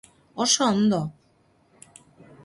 Oso ondo!